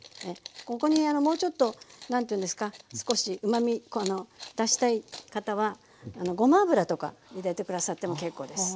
ここにもうちょっと何ていうんですか少しうまみ出したい方はごま油とか入れて下さっても結構です。